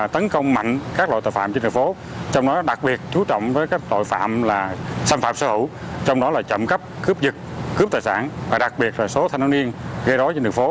trong đó là chậm cắp cướp dựt cướp tài sản và đặc biệt là số thanh niên gây rối trên đường phố